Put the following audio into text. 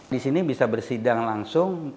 disini bisa bersidang langsung